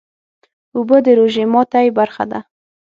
اوبه د روژې ماتی برخه ده